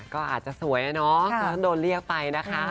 ก็อาจจะสวยอะเนาะก็ต้องโดนเรียกไปนะคะ